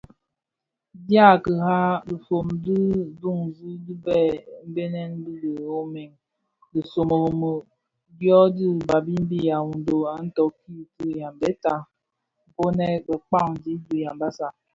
Dia kira, dhifon di duňzi di bë bènèn, dhi bë Omën, dhisōmoro dyi lè babimbi Yaoundo a nōōti (bi Yambeta, Ponèkn Bekpag dhi Yambassa).